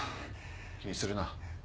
気にするな。